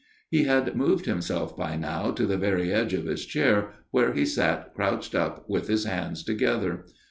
He had moved himself by now to the very edge of his chair where he sat crouched up with his hands together.